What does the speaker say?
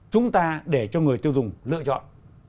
chúng ta để cho người tiêu dùng lựa chọn